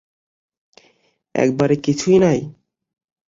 একেবারে কিছুই নাই?